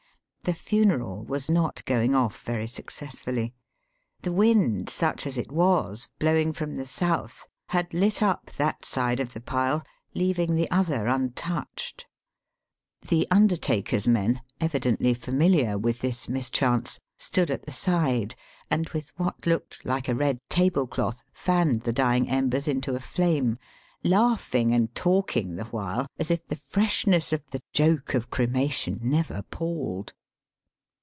The funeral was not going off very successfully* The wind, such as it was, blowing from the south, had Ut up that side of the pile, leaving the other untouched. The imdertaker's men, evidently familiar with this mischance, stood at the side, and with what Digitized by VjOOQIC BATHING m THE GANGES. 235 looked like a red tablecloth fanned the dying embers into a flame, laughing and talking the while as if the freshness of the joke of cremation never paUed.